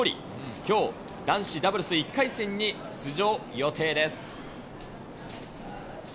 きょう、男子ダブルス１回戦に出場予定です。